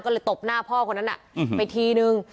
ก็เลยตบหน้าพ่อคนนั้นไปทีนึง